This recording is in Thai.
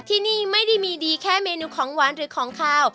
ที่นี่ไม่ได้มีดีแค่เมนูของหวานหรือของขาว